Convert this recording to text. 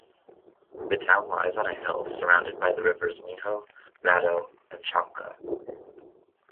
The town lies on a hill surrounded by the rivers Minho, Rato and Chanca.